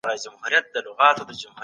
کمپيوټر منظم ځای غواړي.